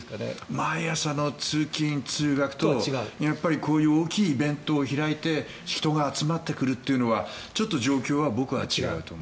毎朝の通勤・通学とこういう大きいイベントを開いて人が集まってくるというのはちょっと状況は僕は違うと思う。